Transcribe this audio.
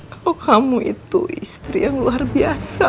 kalau kamu itu istri yang luar biasa